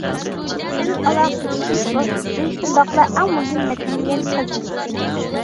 تىل ئالاقىلىشىش ۋاسىتىسى، شۇنداقلا ئەڭ مۇھىم مەدەنىيەت خەزىنىسى.